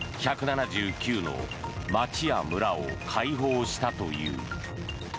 州の１７９の町や村を解放したという。